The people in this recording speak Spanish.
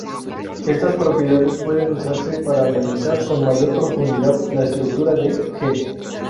Estas propiedades pueden usarse para analizar con mayor profundidad la estructura de "G".